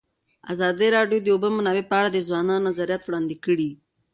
ازادي راډیو د د اوبو منابع په اړه د ځوانانو نظریات وړاندې کړي.